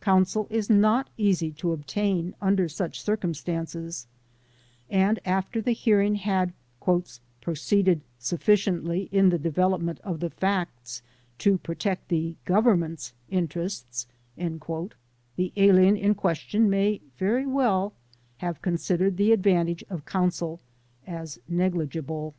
Counsel is not easy to obtain under such circumstances, and after the hearing had "proceeded sufficiently in the development of the facts to protect the Government's interests" the alien in question may very well have considered the advantage of counsel as negligible.